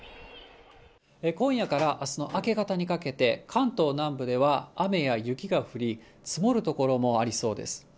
今夜からあすの明け方にかけて、関東南部では雨や雪が降り、積もる所もありそうです。